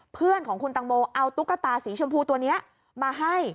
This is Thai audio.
เพื่อนของคุณตังโมเอาตุ๊กตาสีชมพูตัวนี้มาให้